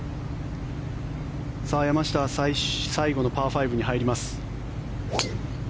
山下は最後のパー５に入ります。